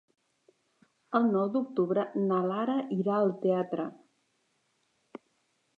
El nou d'octubre na Lara irà al teatre.